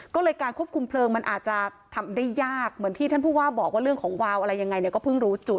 ก็เลยการควบคุมเพลิงมันอาจจะทำได้ยากเหมือนที่ท่านผู้ว่าบอกว่าเรื่องของวาวอะไรยังไงเนี่ยก็เพิ่งรู้จุด